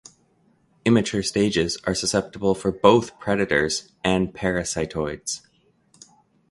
Immature stages are susceptible for both predators and parasitoids.